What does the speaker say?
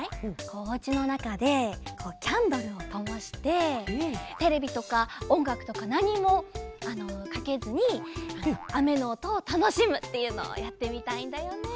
おうちのなかでキャンドルをともしてテレビとかおんがくとかなにもかけずにあめのおとをたのしむっていうのをやってみたいんだよね。